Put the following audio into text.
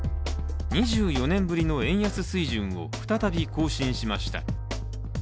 ２４年ぶりの円安水準を再び更新しました。